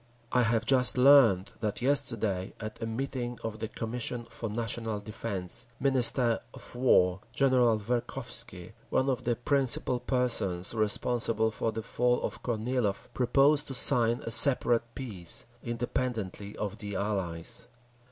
I have just learned that yesterday, at a meeting of the Commission for National Defence, Minister of War General Verkhovsky, one of the principal persons responsible for the fall of Kornilov, proposed to sign a separate peace, independently of the Allies.